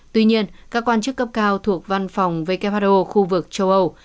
tuy nhiên các quan chức cấp cao thuộc văn phòng who khu vực châu âu